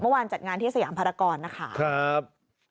เมื่อวานจัดงานที่สยามพันธกรนะคะครับ